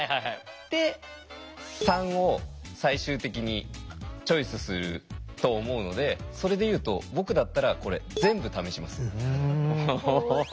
で３を最終的にチョイスすると思うのでそれで言うと僕だったらこれ全部試します。